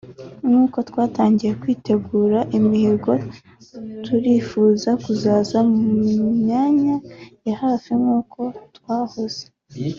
nk’uko twatangiye kwitegura imihigo turifuza kuzaza mu myanya ya hafi nk’iyo twahozeho